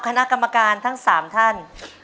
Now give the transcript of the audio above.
คณะกรรมการทั้ง๓ท่าน